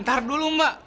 ntar dulu mbak